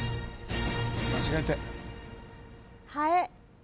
間違えて。